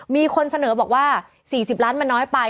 มีคนเสนอบอกว่า๔๐ล้านมันน้อยไป